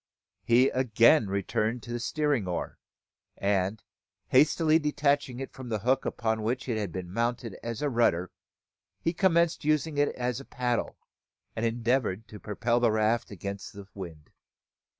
He again returned to the steering oar; and, hastily detaching it from the hook upon which it had been mounted as a rudder, he commenced using it as a paddle, and endeavoured to propel the raft against the wind.